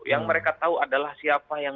yang mereka tahu adalah siapa yang